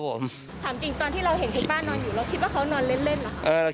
และไม่พอใจเขา